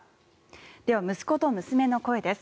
では、息子と娘の声です。